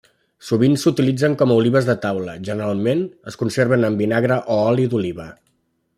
Sovint s'utilitzen com a olives de taula, generalment es conserven en vinagre o oli d'oliva.